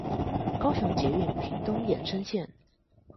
高雄捷運屏東延伸線